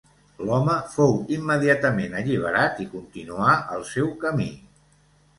L’home fou immediatament alliberat i continuà el seu camí.